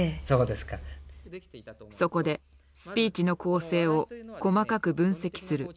そこでスピーチの構成を細かく分析する。